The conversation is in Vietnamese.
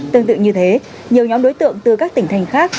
tương tự như thế nhiều nhóm đối tượng từ các tỉnh thành khác